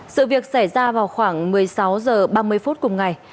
sự việc xảy ra vào khoảng một mươi sáu h ba mươi phút cùng ngày